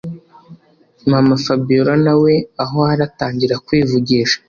mama fabiora nawe aho ari atangira kwivugisha